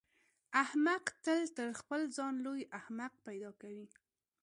احمق تل تر خپل ځان لوی احمق پیدا کوي.